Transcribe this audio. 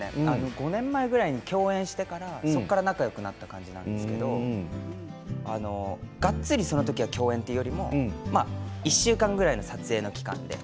５年前ぐらいに共演してからそこから仲よくなった感じなんですけどあのがっつりその時は共演というよりもまあ１週間ぐらいの撮影の期間で。